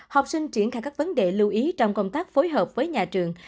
học sinh triển khai các vấn đề lưu ý trong công tác phối hợp với nhà trường